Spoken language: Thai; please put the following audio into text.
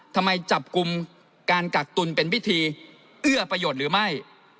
จับกลุ่มการกักตุลเป็นพิธีเอื้อประโยชน์หรือไม่